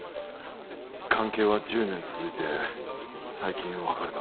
関係は１０年続いて最近別れたと。